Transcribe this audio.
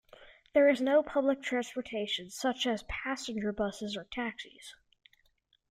There is no public transportation, such as passenger buses or taxis.